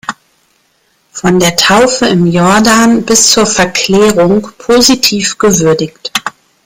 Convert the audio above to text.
Von der Taufe im Jordan bis zur Verklärung" positiv gewürdigt.